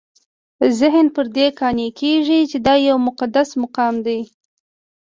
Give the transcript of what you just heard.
ذهن پر دې قانع کېږي چې دا یو مقدس مقام دی.